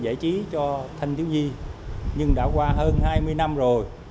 giải trí cho thanh thiếu nhi nhưng đã qua hơn hai mươi năm rồi